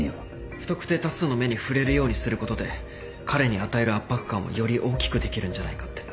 不特定多数の目に触れるようにすることで彼に与える圧迫感をより大きくできるんじゃないかって。